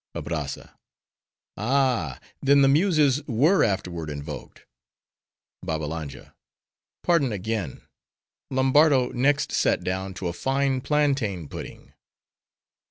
ABRAZZA—Ah! then the muses were afterward invoked. BABBALANJA—Pardon again. Lombardo next sat down to a fine plantain pudding.